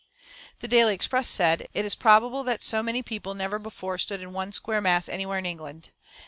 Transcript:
The Daily Express said: "It is probable that so many people never before stood in one square mass anywhere in England.